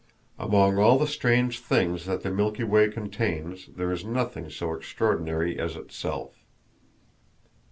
Among all the strange things that the Milky Way contains there is nothing so extraordinary as itself.